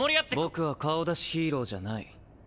僕は顔出しヒーローじゃない。